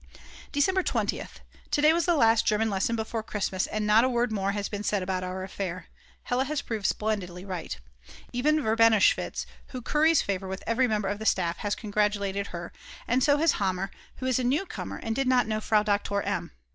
December 20th. To day was the last German lesson before Christmas, and not a word more has been said about our affair. Hella has proved splendidly right. Even Verbenowitsch, who curries favour with every member of the staff, has congratulated her, and so has Hammer, who is a newcomer and did not know Frau Doktor M.